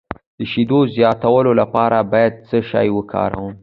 د شیدو زیاتولو لپاره باید څه شی وکاروم؟